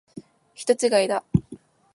人違いだ。